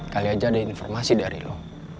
kali aja ada informasi dari lo